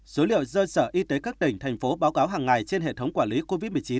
số liệu do sở y tế các tỉnh thành phố báo cáo hàng ngày trên hệ thống quản lý covid một mươi chín